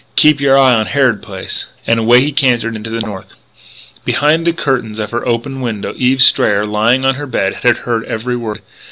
Keep your eye on Harrod Place!" And away he cantered into the North. Behind the curtains of her open window Eve Strayer, lying on her bed, had heard every word.